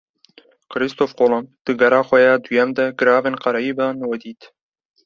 Kristof Kolomb, di gera xwe ya duyem de, Giravên Karayîpan vedît